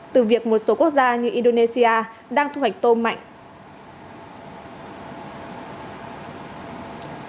từ việc một số quốc gia như indonesia đang thu hoạch tôm mạnh